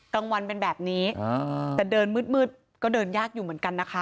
กลางวันเป็นแบบนี้แต่เดินมืดก็เดินยากอยู่เหมือนกันนะคะ